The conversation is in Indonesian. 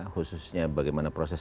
khususnya bagaimana proses